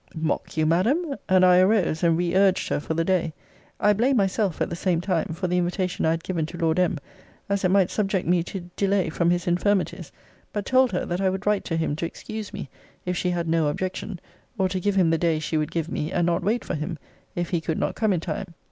Mock you, Madam! And I arose, and re urged her for the day. I blamed myself, at the same time, for the invitation I had given to Lord M., as it might subject me to delay from his infirmities: but told her, that I would write to him to excuse me, if she had no objection; or to give him the day she would give me, and not wait for him, if he could not come in time.